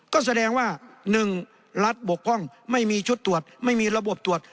ก็แสดงว่า๑รัฐบกพร่องไม่มีชุดตรวจไม่มีระบบตรวจ